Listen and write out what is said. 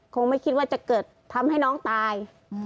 คงไม่คิดว่าจะเกิดทำให้น้องตาย